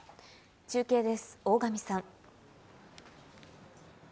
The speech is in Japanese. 中継です、大神さん。